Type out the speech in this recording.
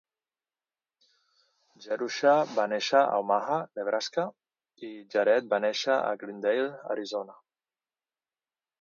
Jerusha va néixer a Omaha, Nebraska, i Jared va néixer a Glendale, Arizona.